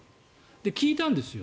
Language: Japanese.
で、聞いたんですよ。